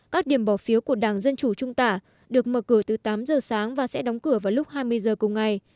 các điểm bỏ phiếu của đảng dân chủ trung tả được mở cửa từ tám giờ sáng và sẽ đóng cửa vào lúc hai mươi giờ cùng ngày